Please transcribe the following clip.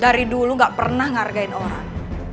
dari dulu gak pernah ngargain orang